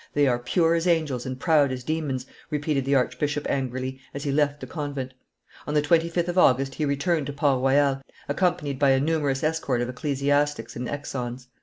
"They are pure as angels and proud as demons," repeated the archbishop angrily, as he left the convent. On the 25th of August he returned to Port Royal, accompanied by a numerous escort of ecclesiastics and exons.